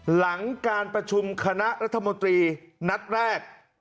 หลังการประชุมคณะรัฐมนตรีนัดแรก